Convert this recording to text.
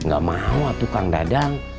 gak mau tuh kang dadang